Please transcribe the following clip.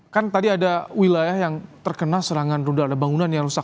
kan tadi ada wilayah yang terkena serangan ruda ada bangunan yang rusak